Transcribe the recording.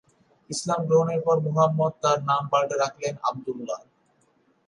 ইসলাম গ্রহণের পর মুহাম্মদ তার নাম পাল্টে রাখলেন আবদুল্লাহ।